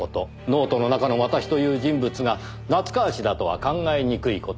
ノートの中の「私」という人物が夏河氏だとは考えにくい事。